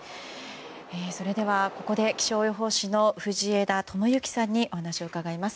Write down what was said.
それではここで気象予報士の藤枝知行さんにお話を伺います。